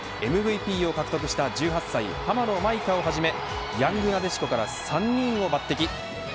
ＭＶＰ獲得した１８歳、浜野まいかをはじめヤングなでしこから３人を抜てき。